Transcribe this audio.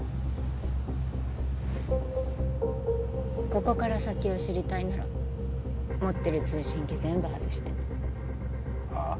ここから先を知りたいなら持ってる通信機全部外してはあ？